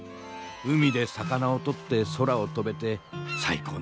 海で魚を取って空を飛べて最高の生き方だ。